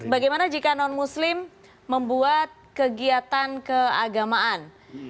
bagaimana jika non muslim membuat kegiatan keagamaan